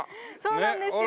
そうなんですよ。